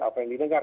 apa yang didengar